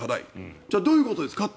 じゃあどういうことですかって